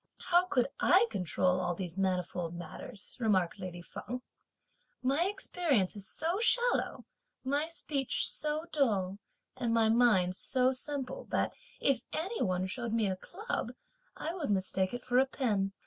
"How could I control all these manifold matters," remarked lady Feng; "my experience is so shallow, my speech so dull and my mind so simple, that if any one showed me a club, I would mistake it for a pin.